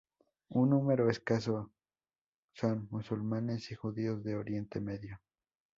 Un número escaso son musulmanes y judíos de Oriente Medio.